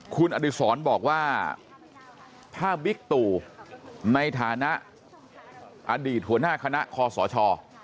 คุณอดิษรบอกว่าถ้าบิ๊กตู่ในฐานะอดีตหัวหน้าคณะคอสช